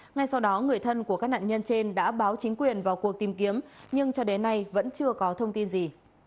ngay sau đó người thân của các nạn nhân trên đã báo chính quyền vào cuộc tìm kiếm nhưng cho đến nay vẫn chưa có thông tin gì